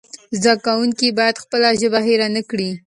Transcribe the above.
زده کوونکي باید خپله ژبه هېره نه کړي.